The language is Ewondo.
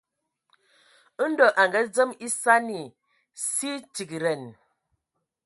Ndɔ a ngadzem esani, sie tigedan.